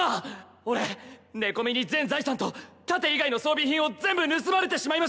俺寝込みに全財産と盾以外の装備品を全部盗まれてしまいました。